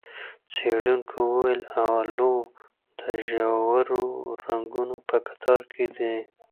څېړونکو وویل، اولو د ژورو رنګونو په کتار کې دی.